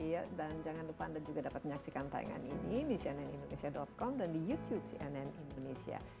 iya dan jangan lupa anda juga dapat menyaksikan tayangan ini di cnnindonesia com dan di youtube cnn indonesia